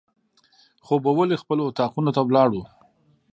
خوبولي خپلو اطاقونو ته ولاړو.